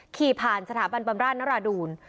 ขี่ผ่านสถาบันบำราชนราดูล